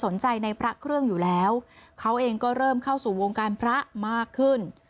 ในพระเครื่องอยู่แล้วเขาเองก็เริ่มเข้าสู่วงการพระมากขึ้น